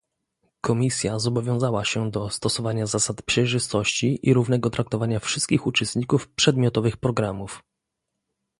Komisja zobowiązała się do stosowania zasad przejrzystości i równego traktowania wszystkich uczestników przedmiotowych programów